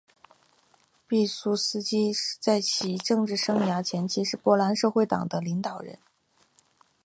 毕苏斯基在其政治生涯前期是波兰社会党的领导人。